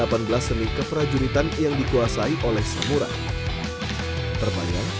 itu adalah seni keprajuritan yang dikuasai oleh samurai